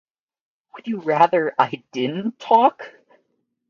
Would you rather I didn’t talk?